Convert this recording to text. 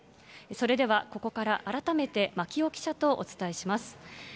それではここから改めて牧尾記者とお伝えします。